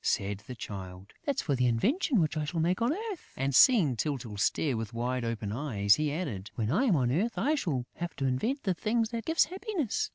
said the Child. "That's for the invention which I shall make on earth." And, seeing Tyltyl stare with wide open eyes, he added: "When I am on earth, I shall have to invent the thing that gives happiness....